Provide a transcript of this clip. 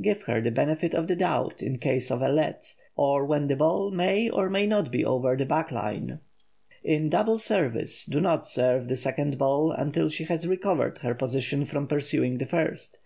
Give her the benefit of the doubt in case of a "let," or when the ball may or may not be over the back line. In "double service" do not serve the second ball until she has recovered her position from pursuing the first.